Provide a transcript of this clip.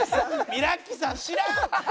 ミラッキさん知らん！